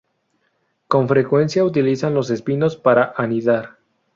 Con frecuencia utilizan los espinos para anidar.